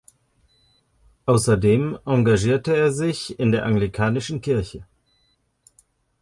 Außerdem engagierte er sich in der anglikanischen Kirche.